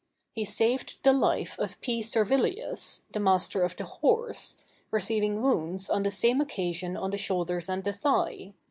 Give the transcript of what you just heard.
He saved the life of P. Servilius, the master of the horse, receiving wounds on the same occasion in the shoulders and the thigh.